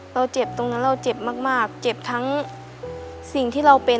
เราเจ็บตรงนั้นเราเจ็บมากเจ็บทั้งสิ่งที่เราเป็น